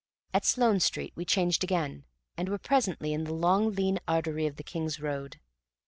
At Sloane Street we changed again, and were presently in the long lean artery of the King's Road.